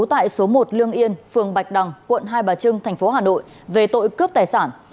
tại số một lương yên phường bạch đằng quận hai bà trưng thành phố hà nội về tội cướp tài sản